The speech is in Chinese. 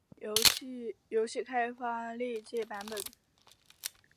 游戏开发历届版本